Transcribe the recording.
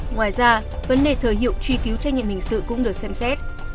ngoài ra vấn đề thời hiệu truy cứu trách nhiệm hình sự cũng được xem xét